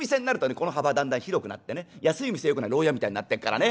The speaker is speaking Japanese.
この幅だんだん広くなってね安い店はよくないろう屋みたいになってっからね。